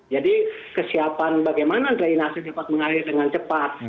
jadi kesiapan bagaimana drainasi dapat mengalir dengan cepat